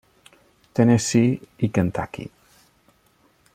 Tennessee i Kentucky.